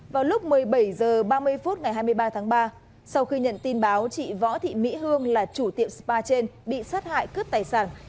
vào lúc một mươi bảy h ba mươi phút ngày hai mươi ba tháng ba sau khi nhận tin báo chị võ thị mỹ hương là chủ tiệm spa trên bị sát hại cướp tài sản